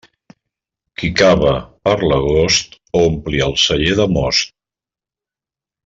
Qui cava per l'agost ompli el celler de most.